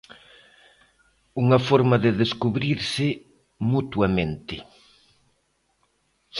Unha forma de descubrirse "mutuamente".